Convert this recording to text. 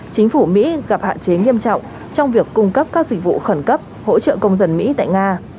chính phủ mỹ gặp hạn chế nghiêm trọng trong việc cung cấp các dịch vụ khẩn cấp hỗ trợ công dân mỹ tại nga